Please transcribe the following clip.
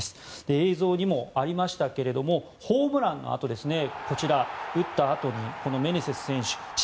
映像にもありましたけれどもホームランを打ったあとにメネセス選手